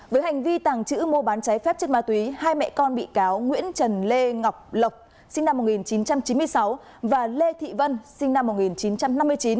với hành vi tàng trữ mua bán cháy phép chất ma túy hai mẹ con bị cáo nguyễn trần lê ngọc lộc sinh năm một nghìn chín trăm chín mươi sáu và lê thị vân sinh năm một nghìn chín trăm năm mươi chín